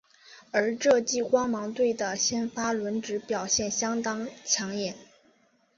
而这季光芒队的先发轮值表现相当抢眼。